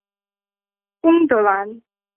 贡德兰。